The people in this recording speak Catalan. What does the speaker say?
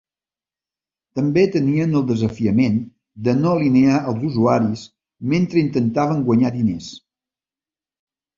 També tenien el desafiament de no alinear els usuaris mentre intentaven guanyar diners.